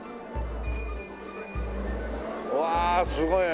うわすごいね。